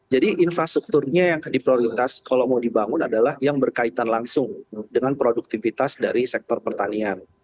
infrastrukturnya yang diprioritas kalau mau dibangun adalah yang berkaitan langsung dengan produktivitas dari sektor pertanian